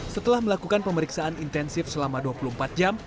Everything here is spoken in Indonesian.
setelah melakukan pemeriksaan intensif selama dua puluh empat jam